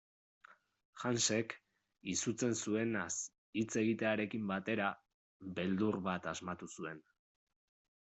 Hansek, izutzen zuenaz hitz egitearekin batera, beldur bat asmatu zuen.